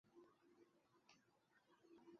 它介于战术弹道飞弹和洲际弹道飞弹之间。